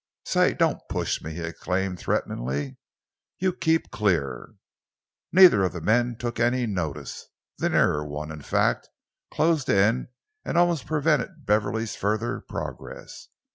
"Say, don't push me!" he exclaimed threateningly. "You keep clear." Neither of the men took any notice. The nearer one, in fact, closed in and almost prevented Beverley's further progress.